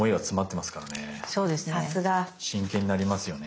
真剣になりますよね。